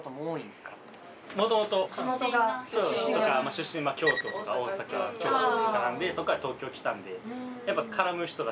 出身京都とか大阪京都とかなんでそっから東京来たんでやっぱ。